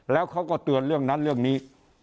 แล้วเขาก็เตือนเรื่องนั้นเรื่องนี้